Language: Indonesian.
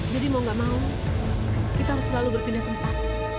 jadi mau gak mau kita harus selalu berpindah tempat